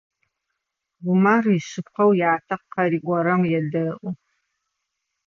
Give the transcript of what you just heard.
Умар ишъыпкъэу ятэ къыриӏорэм едэӏу.